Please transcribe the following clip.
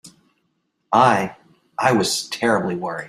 I—I was terribly worried.